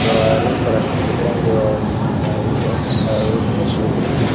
Nikawaarifu rafiki zangu wamrai arudi shule